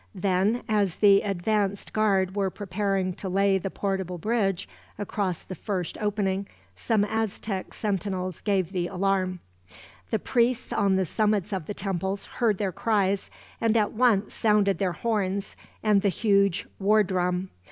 Then, as the advanced guard were preparing to lay the portable bridge across the first opening, some Aztec sentinels gave the alarm. The priests on the summits of the temples heard their cries, and at once sounded their horns and the huge war drum.